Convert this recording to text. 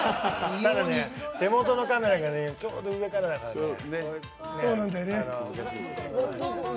手元のカメラがちょうど上からだからね。